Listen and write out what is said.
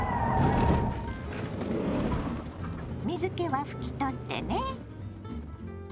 水けは拭き取ってね。